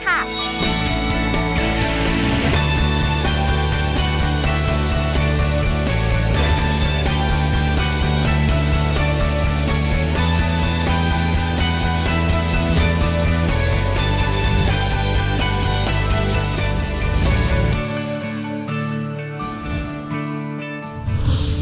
บรรยาชนิรวมระการ